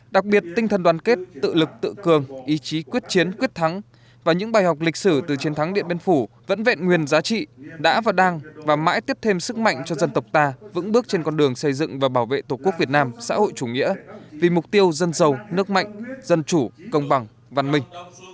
đặc biệt tinh thần đoàn kết tự lực tự cường ý chí quyết chiến quyết thắng và những bài học lịch sử từ chiến thắng điện biên phủ vẫn vẹn nguyên giá trị đã và đang và mãi tiếp thêm sức mạnh cho dân tộc ta vững bước trên con đường xây dựng và bảo vệ tổ quốc việt nam xã hội chủ nghĩa vì mục tiêu dân giàu nước mạnh dân chủ công bằng văn minh